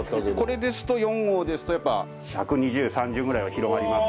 これですと４号ですとやっぱ１２０１３０ぐらいは広がりますので。